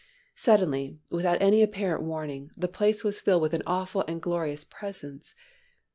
Suddenly, without any apparent warning, the place was filled with an awful and glorious Presence.